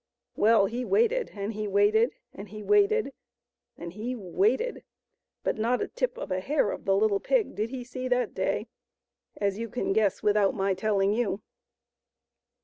Well, he waited and he waited and he waited and he waited, but not a tip of a hair of the little pig did he see that day, as you can guess without my telling you.